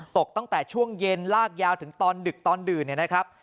ตกตั้งแต่ช่วงเย็นลากยาวถึงตอนดึกตอนดื่นเนี่ยนะครับ